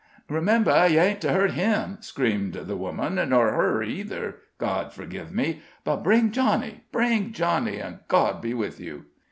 "Remember you aint to hurt him!" screamed the woman; "nor her, neither God forgive me. But bring Johnny bring Johnny, and God be with you."